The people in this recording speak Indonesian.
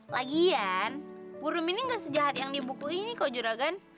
lagian burung ini gak sejahat yang dibukuin nih kok juragan